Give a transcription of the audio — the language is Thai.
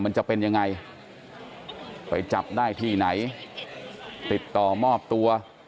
มันจะเป็นยังไงไปจับได้ที่ไหนติดต่อมอบตัว